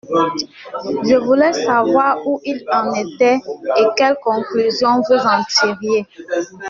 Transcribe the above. Je voulais savoir où il en était et quelles conclusions vous en tiriez.